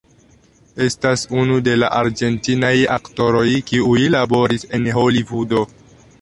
Estas unu de la argentinaj aktoroj kiuj laboris en Holivudo.